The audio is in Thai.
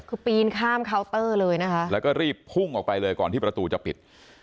คือปีนข้ามเคาน์เตอร์เลยนะคะแล้วก็รีบพุ่งออกไปเลยก่อนที่ประตูจะปิด